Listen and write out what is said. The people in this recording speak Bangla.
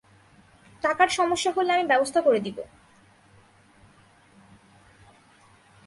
টাকার সমস্যা হলে আমি ব্যবস্থা করে দিবো।